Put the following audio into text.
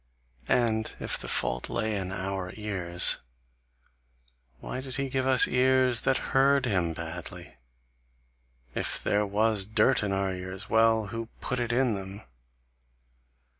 And if the fault lay in our ears, why did he give us ears that heard him badly? If there was dirt in our ears, well! who put it in them?